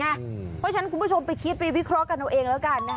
เพราะฉะนั้นคุณผู้ชมไปคิดไปวิเคราะห์กันเอาเองแล้วกัน